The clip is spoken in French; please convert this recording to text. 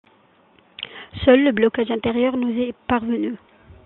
Seul le blocage intérieur nous est parvenu.